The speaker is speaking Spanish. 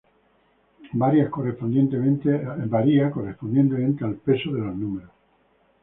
Varia correspondientemente al peso de los números.